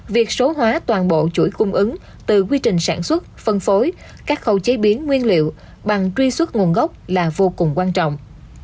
việc số hóa toàn bộ chuỗi cung ứng từ quy trình sản xuất phân phối các khâu chế biến nguyên liệu bằng truy xuất nguồn gốc là vô cùng quan trọng